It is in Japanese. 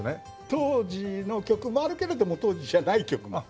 当時の曲もあるけれども当時じゃない曲もある。